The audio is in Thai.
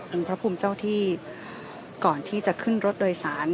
พระภูมิเจ้าที่ก่อนที่จะขึ้นรถโดยสาร